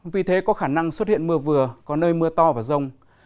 vì thế có khả năng xuất hiện mưa vừa có nơi mưa to và rông